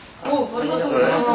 ありがとうございます。